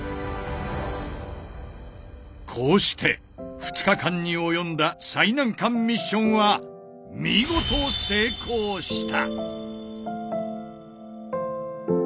こうして２日間に及んだ最難関ミッションは見事成功した！